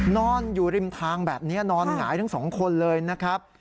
นอนอยู่ริมทางแบบนี้นอนหงายทั้งสองคนเลยนะครับ